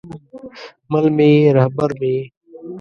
مل مې یې، رهبر مې یې